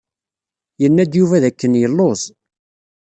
Yenna-d Yuba d akken yelluẓ.